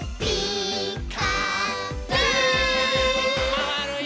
まわるよ。